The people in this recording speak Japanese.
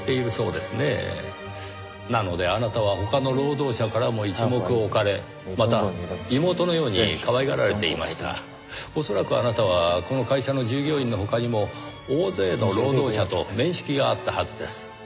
なのであなたは他の労働者からも一目置かれまた妹のようにかわいがられていました。恐らくあなたはこの会社の従業員の他にも大勢の労働者と面識があったはずです。